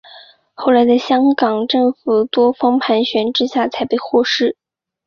后来在香港政府多方斡旋之下才被获释。